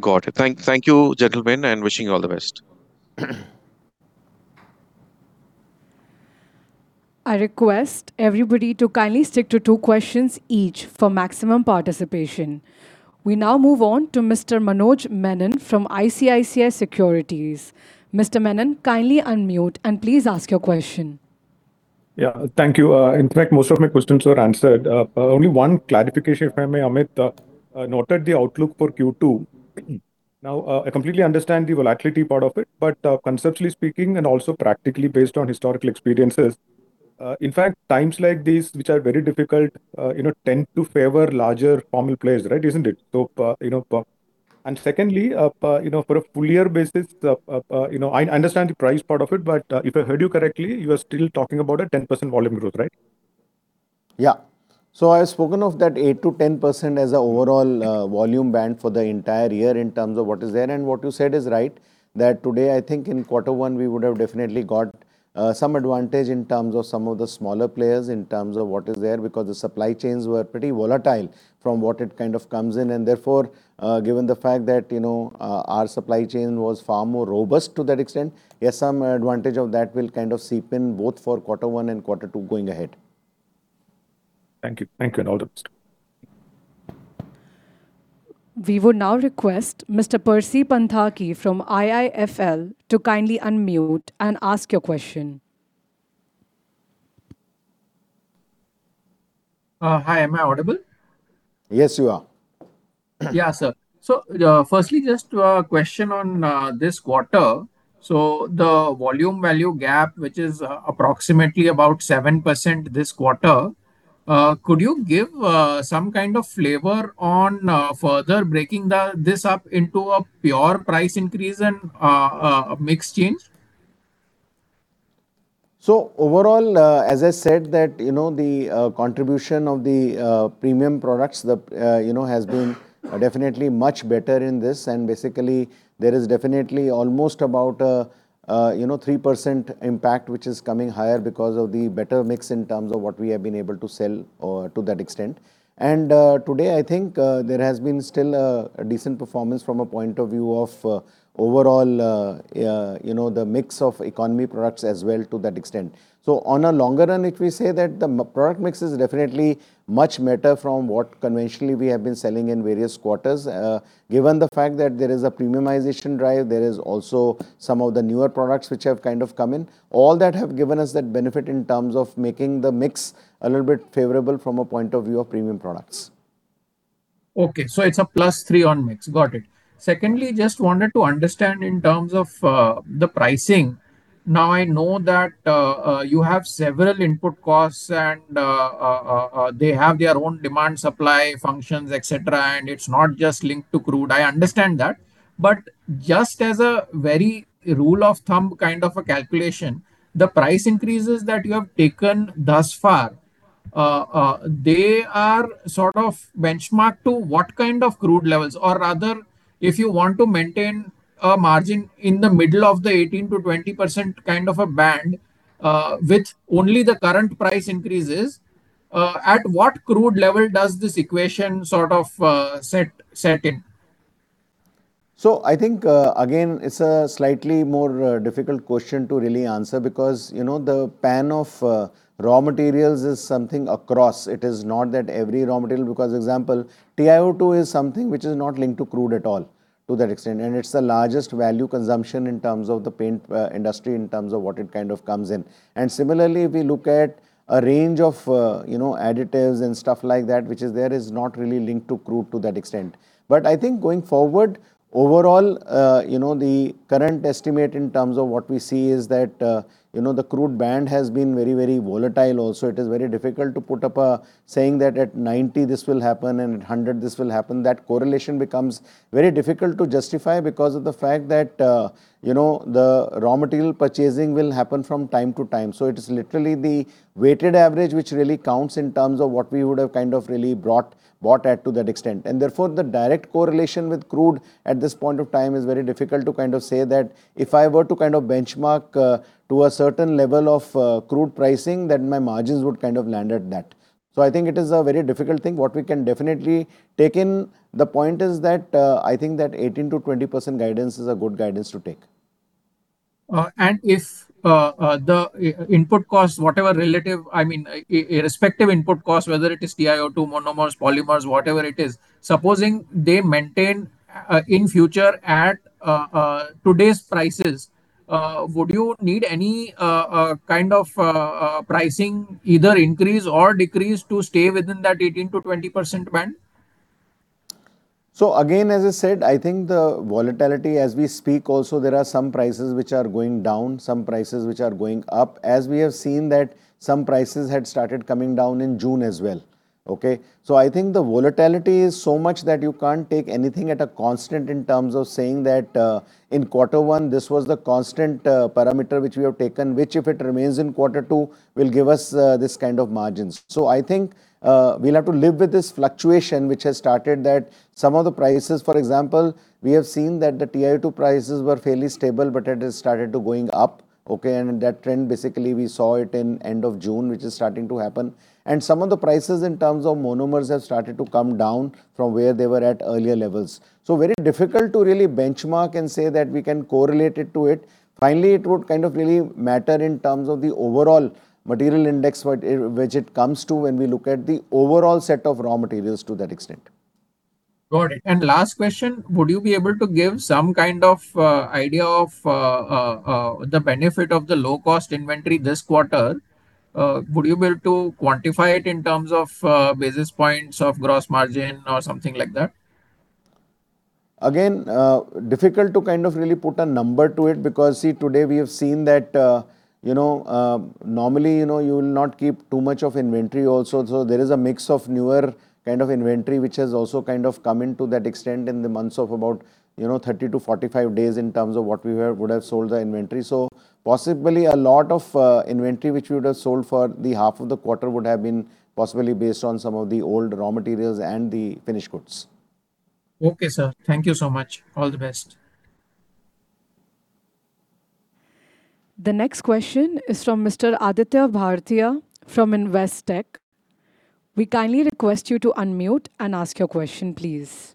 Got it. Thank you, gentlemen, and wishing you all the best. I request everybody to kindly stick to two questions each for maximum participation. We now move on to Mr. Manoj Menon from ICICI Securities. Mr. Menon, kindly unmute and please ask your question. Yeah. Thank you. In fact, most of my questions were answered. Only one clarification, if I may, Amit. Noted the outlook for Q2. Now, I completely understand the volatility part of it, but conceptually speaking, and also practically based on historical experiences, in fact, times like these, which are very difficult, tend to favor larger formal players, right? Isn't it? Secondly, for a full year basis, I understand the price part of it, but if I heard you correctly, you are still talking about a 10% volume growth, right? Yeah. I've spoken of that 8%-10% as an overall volume band for the entire year in terms of what is there. What you said is right, that today, I think in quarter one, we would have definitely got some advantage in terms of some of the smaller players, in terms of what is there, because the supply chains were pretty volatile from what it kind of comes in. Therefore, given the fact that our supply chain was far more robust to that extent, yes, some advantage of that will kind of seep in both for quarter one and quarter two going ahead. Thank you. All the best. We would now request Mr. Percy Panthaki from IIFL to kindly unmute and ask your question. Hi, am I audible? Yes, you are. Sir. Firstly, just a question on this quarter. The volume-value gap, which is approximately about 7% this quarter, could you give some kind of flavor on further breaking this up into a pure price increase and a mix change? Overall, as I said that the contribution of the premium products has been definitely much better in this, basically there is definitely almost about a 3% impact, which is coming higher because of the better mix in terms of what we have been able to sell to that extent. Today, I think there has been still a decent performance from a point of view of overall the mix of economy products as well to that extent. On a longer run, if we say that the product mix is definitely much better from what conventionally we have been selling in various quarters. Given the fact that there is a premiumization drive, there is also some of the newer products which have kind of come in. All that have given us that benefit in terms of making the mix a little bit favorable from a point of view of premium products. Okay, it's a plus three on mix. Got it. Secondly, just wanted to understand in terms of the pricing. Now I know that you have several input costs and they have their own demand, supply, functions, et cetera, and it's not just linked to crude. I understand that. But just as a very rule of thumb kind of a calculation, the price increases that you have taken thus far, they are sort of benchmarked to what kind of crude levels? Or rather, if you want to maintain a margin in the middle of the 18%-20% kind of a band, with only the current price increases, at what crude level does this equation sort of set in? I think, again, it's a slightly more difficult question to really answer because the pan of raw materials is something across. It is not that every raw material, because example, TiO2 is something which is not linked to crude at all to that extent, and it's the largest value consumption in terms of the paint industry, in terms of what it kind of comes in. Similarly, if we look at a range of additives and stuff like that, which is there, is not really linked to crude to that extent. I think going forward, overall, the current estimate in terms of what we see is that the crude band has been very volatile also. It is very difficult to put up a saying that at 90 this will happen and at 100 this will happen. That correlation becomes very difficult to justify because of the fact that the raw material purchasing will happen from time-to-time. It is literally the weighted average, which really counts in terms of what we would have kind of really bought at to that extent. Therefore, the direct correlation with crude at this point of time is very difficult to kind of say that if I were to kind of benchmark to a certain level of crude pricing, then my margins would kind of land at that. I think it is a very difficult thing. What we can definitely take in, the point is that I think that 18%-20% guidance is a good guidance to take. If the input costs, whatever relative, irrespective input costs, whether it is TiO2, monomers, polymers, whatever it is, supposing they maintain in future at today's prices, would you need any kind of pricing, either increase or decrease, to stay within that 18%-20% band? Again, as I said, I think the volatility as we speak also, there are some prices which are going down, some prices which are going up. As we have seen that some prices had started coming down in June as well. Okay. I think the volatility is so much that you can't take anything at a constant in terms of saying that, in quarter one, this was the constant parameter which we have taken, which if it remains in quarter two, will give us this kind of margins. I think we'll have to live with this fluctuation, which has started that some of the prices, for example, we have seen that the TiO2 prices were fairly stable, but it has started to going up. Okay. That trend, basically, we saw it in end of June, which is starting to happen. Some of the prices in terms of monomers have started to come down from where they were at earlier levels. Very difficult to really benchmark and say that we can correlate it to it. Finally, it would kind of really matter in terms of the overall material index, which it comes to when we look at the overall set of raw materials to that extent. Got it. Last question, would you be able to give some kind of idea of the benefit of the low-cost inventory this quarter? Would you be able to quantify it in terms of basis points of gross margin or something like that? Again, difficult to kind of really put a number to it because, see, today we have seen that, normally, you will not keep too much of inventory also. There is a mix of newer kind of inventory, which has also kind of come into that extent in the months of about 30 to 45 days in terms of what we would have sold the inventory. Possibly a lot of inventory, which we would have sold for the half of the quarter would have been possibly based on some of the old raw materials and the finished goods. Okay, sir. Thank you so much. All the best. The next question is from Mr. Aditya Bhartia from Investec. We kindly request you to unmute and ask your question, please.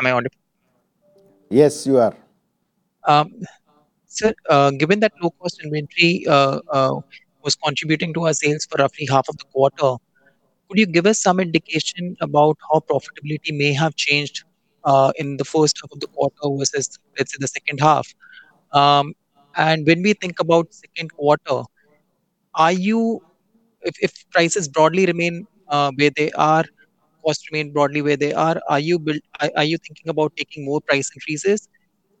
Hello, am I audible? Yes, you are. Sir, given that low-cost inventory was contributing to our sales for roughly half of the quarter, could you give us some indication about how profitability may have changed in the first half of the quarter versus, let's say, the second half? When we think about second quarter, if prices broadly remain where they are, costs remain broadly where they are you thinking about taking more price increases,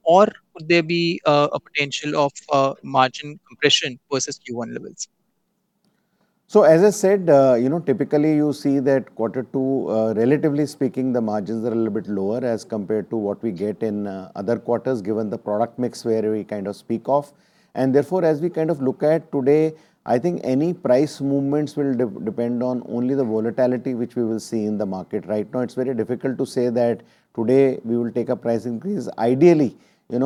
or could there be a potential of margin compression versus Q1 levels? As I said, typically you see that quarter two, relatively speaking, the margins are a little bit lower as compared to what we get in other quarters, given the product mix where we kind of speak of. Today, I think any price movements will depend on only the volatility which we will see in the market. Right now, it's very difficult to say that today we will take a price increase. Ideally, we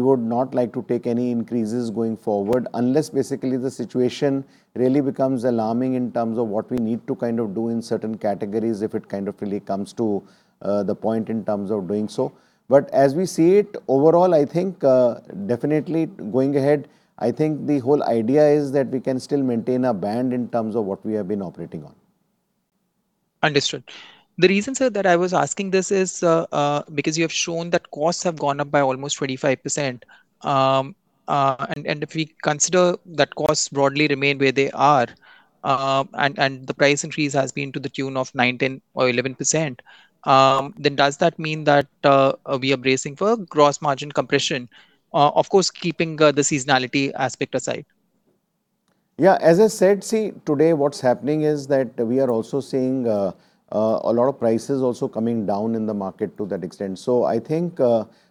would not like to take any increases going forward unless basically the situation really becomes alarming in terms of what we need to do in certain categories, if it kind of really comes to the point in terms of doing so. As we see it, overall, I think definitely going ahead, I think the whole idea is that we can still maintain a band in terms of what we have been operating on. Understood. The reason, sir, that I was asking this is because you have shown that costs have gone up by almost 25%. If we consider that costs broadly remain where they are, and the price increase has been to the tune of 9%, 10%, or 11%, then does that mean that we are bracing for gross margin compression? Of course, keeping the seasonality aspect aside. As I said, today what's happening is that we are also seeing a lot of prices also coming down in the market to that extent. I think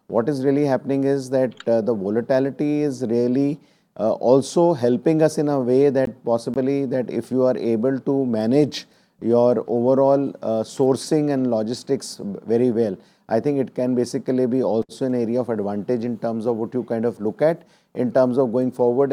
what is really happening is that the volatility is really also helping us in a way that possibly that if you are able to manage your overall sourcing and logistics very well, I think it can basically be also an area of advantage in terms of what you kind of look at in terms of going forward.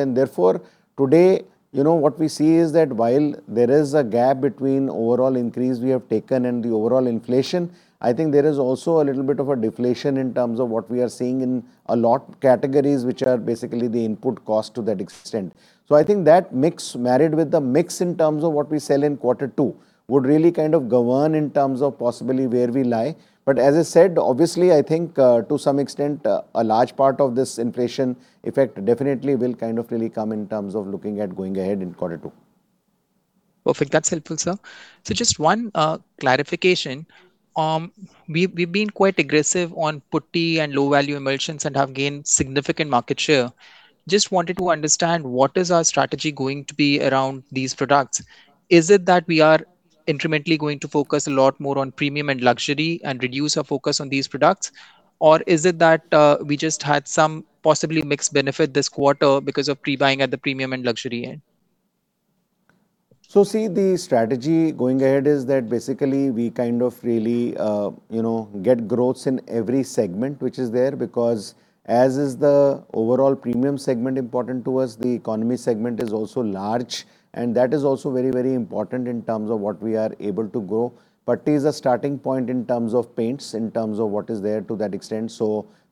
Today, what we see is that while there is a gap between overall increase we have taken and the overall inflation, I think there is also a little bit of a deflation in terms of what we are seeing in a lot categories, which are basically the input cost to that extent. I think that mix, married with the mix in terms of what we sell in quarter two, would really kind of govern in terms of possibly where we lie. As I said, obviously I think, to some extent, a large part of this inflation effect definitely will kind of really come in terms of looking at going ahead in quarter two. Perfect. That's helpful, sir. Just one clarification. We've been quite aggressive on putty and low-value emulsions and have gained significant market share. Just wanted to understand, what is our strategy going to be around these products? Is it that we are incrementally going to focus a lot more on premium and luxury and reduce our focus on these products, or is it that we just had some possibly mixed benefit this quarter because of pre-buying at the premium and luxury end? See, the strategy going ahead is that basically we kind of really get growth in every segment which is there, because as is the overall premium segment important to us, the economy segment is also large, and that is also very important in terms of what we are able to grow. Putty is a starting point in terms of paints, in terms of what is there to that extent.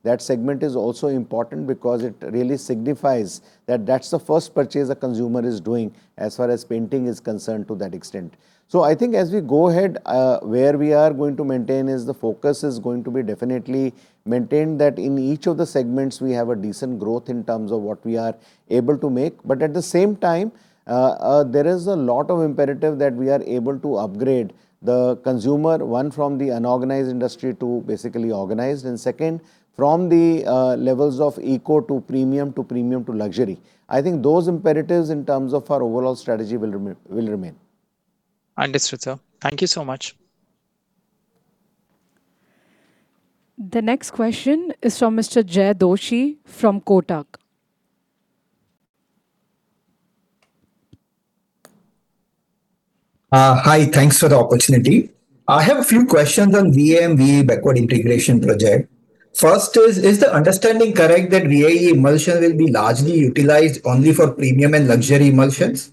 That segment is also important because it really signifies that that's the first purchase a consumer is doing as far as painting is concerned to that extent. I think as we go ahead, where we are going to maintain is the focus is going to be definitely maintained that in each of the segments, we have a decent growth in terms of what we are able to make. At the same time, there is a lot of imperative that we are able to upgrade The consumer, one from the unorganized industry to basically organized, and second, from the levels of eco to premium, to premium to luxury. I think those imperatives in terms of our overall strategy will remain. Understood, sir. Thank you so much. The next question is from Mr. Jay Doshi from Kotak. Hi, thanks for the opportunity. I have a few questions on VAM/VAE backward integration project. First is the understanding correct that VAE emulsion will be largely utilized only for premium and luxury emulsions?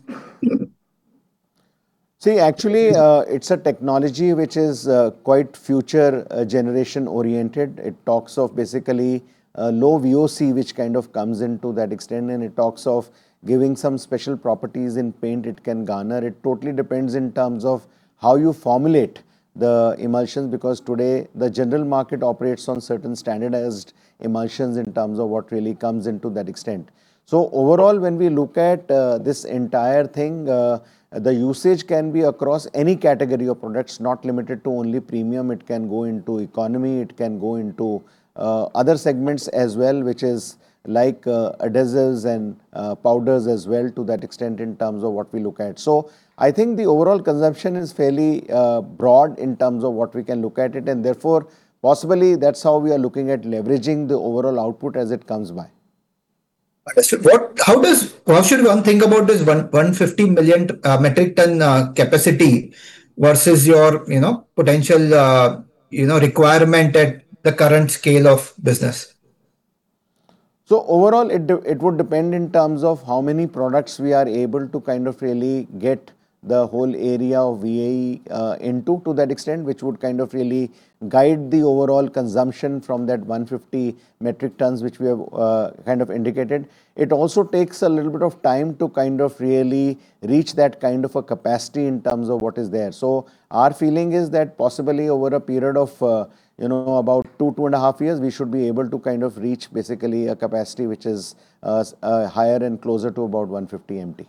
Actually, it's a technology which is quite future generation oriented. It talks of basically low VOC, which kind of comes into that extent, and it talks of giving some special properties in paint it can garner. It totally depends in terms of how you formulate the emulsions, because today the general market operates on certain standardized emulsions in terms of what really comes into that extent. Overall, when we look at this entire thing, the usage can be across any category of products, not limited to only premium. It can go into economy, it can go into other segments as well, which is like additives and powders as well to that extent in terms of what we look at. I think the overall consumption is fairly broad in terms of what we can look at it, and therefore possibly that's how we are looking at leveraging the overall output as it comes by. Understood. How should one think about this 150 million metric ton capacity versus your potential requirement at the current scale of business? Overall, it would depend in terms of how many products we are able to really get the whole area of VAE into, to that extent, which would really guide the overall consumption from that 150 metric tons which we have indicated. It also takes a little bit of time to really reach that kind of a capacity in terms of what is there. Our feeling is that possibly over a period of about two and a half years, we should be able to reach basically a capacity which is higher and closer to about 150 MT.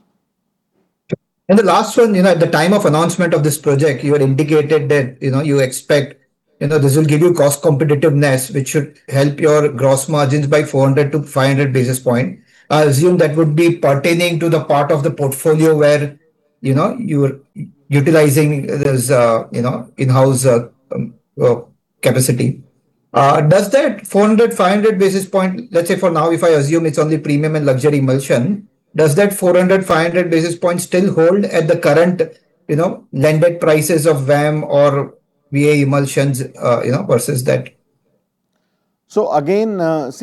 The last one. At the time of announcement of this project, you had indicated that you expect this will give you cost competitiveness, which should help your gross margins by 400 to 500 basis point. I assume that would be pertaining to the part of the portfolio where you are utilizing this in-house capacity. Does that 400, 500 basis point, let's say for now, if I assume it's only premium and luxury emulsion, does that 400, 500 basis point still hold at the current landed prices of VAM or VAE emulsions versus that? Again, as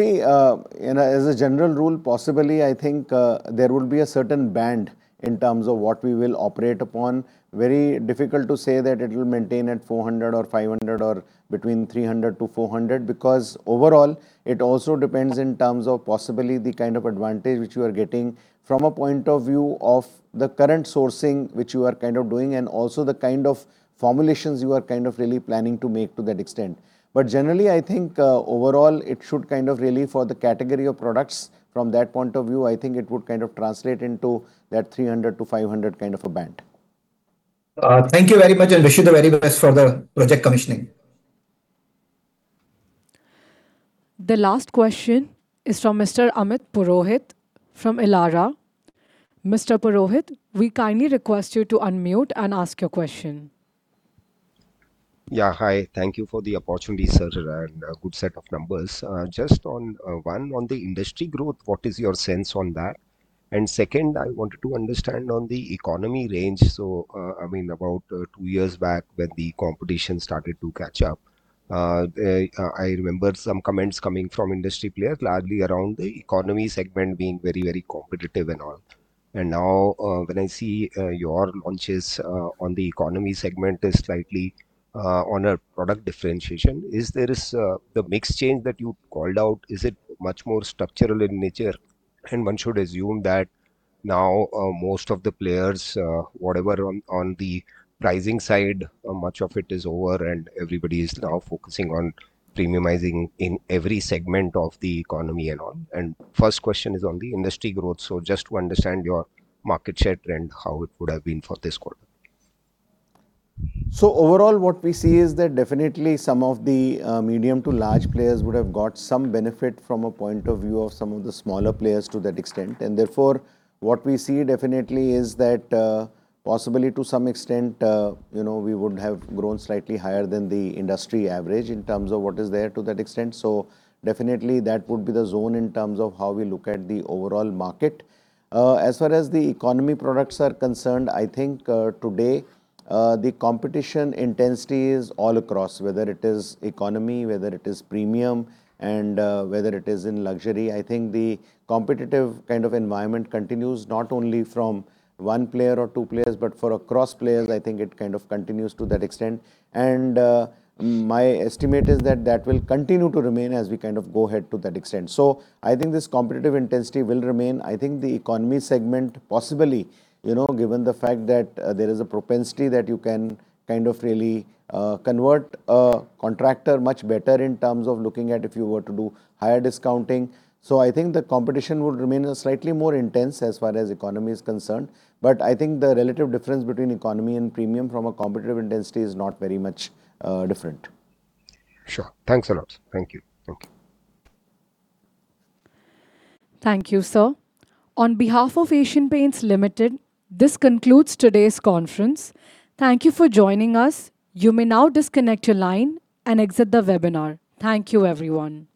a general rule, possibly I think there will be a certain band in terms of what we will operate upon. Very difficult to say that it will maintain at 400 or 500 or between 300-400, because overall, it also depends in terms of possibly the kind of advantage which you are getting from a point of view of the current sourcing which you are doing, and also the kind of formulations you are really planning to make to that extent. Generally, I think, overall, it should for the category of products. From that point of view, I think it would translate into that 300-500 kind of a band. Thank you very much and wish you the very best for the project commissioning. The last question is from Mr. Amit Purohit from Elara. Mr. Purohit, we kindly request you to unmute and ask your question. Hi. Thank you for the opportunity, sir, and a good set of numbers. Just on, one, on the industry growth, what is your sense on that? Second, I wanted to understand on the economy range. About two years back when the competition started to catch up, I remember some comments coming from industry players, largely around the economy segment being very competitive and all. Now, when I see your launches on the economy segment is slightly on a product differentiation. The mix change that you called out, is it much more structural in nature? One should assume that now most of the players, whatever on the pricing side, much of it is over and everybody is now focusing on premiumizing in every segment of the economy and all. First question is on the industry growth. Just to understand your market share trend, how it would have been for this quarter. Overall, what we see is that definitely some of the medium to large players would have got some benefit from a point of view of some of the smaller players to that extent. Therefore, what we see definitely is that, possibly to some extent, we would have grown slightly higher than the industry average in terms of what is there to that extent. Definitely that would be the zone in terms of how we look at the overall market. As far as the economy products are concerned, I think today, the competition intensity is all across, whether it is economy, whether it is premium, and whether it is in luxury. I think the competitive environment continues not only from one player or two players, but for across players, I think it continues to that extent. My estimate is that that will continue to remain as we go ahead to that extent. I think this competitive intensity will remain. I think the economy segment possibly, given the fact that there is a propensity that you can really convert a contractor much better in terms of looking at if you were to do higher discounting. I think the competition would remain slightly more intense as far as economy is concerned. I think the relative difference between economy and premium from a competitive intensity is not very much different. Sure. Thanks a lot. Thank you. Thank you, sir. On behalf of Asian Paints Limited, this concludes today's conference. Thank you for joining us. You may now disconnect your line and exit the webinar. Thank you, everyone.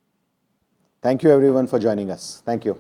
Thank you, everyone, for joining us. Thank you.